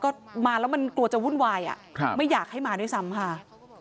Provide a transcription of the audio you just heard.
ก็มาแล้วมันกลัวจะวุ่นวายไม่อยากให้มาด้วยซ้ำค่ะ